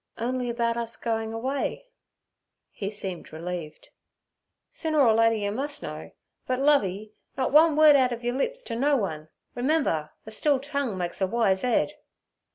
'Only about us going away.' He seemed relieved. 'Sooner er later yer mus' know; but, Lovey, nut one word out ov yer lips t' no one. Remember, a still tongue makes a wise 'ead.'